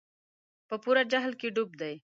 په پوره جهل کې ډوب دي.